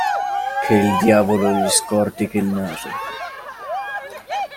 Che il diavolo gli scortichi il naso.